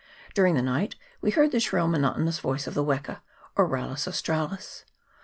During the night we heard the shrill monotonous voice of the weka, or Rallus australis.